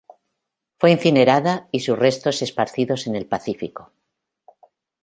Fue incinerada, y sus restos esparcidos en el Pacífico.